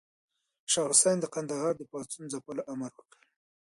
شاه حسين د کندهار د پاڅون د ځپلو امر وکړ.